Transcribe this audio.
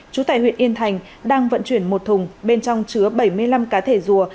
trú tại huyện yên thành đang vận chuyển một thùng bên trong chứa bảy mươi năm cá thể rùa